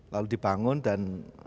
lalu dibangun dan